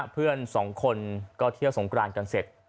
เพื่อนสองคนก็เที่ยวสงกรานกันเสร็จ